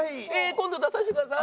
今度出させてください！